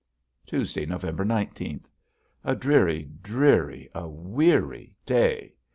Tuesday, November nineteenth. A dreary, dreary, a weary day.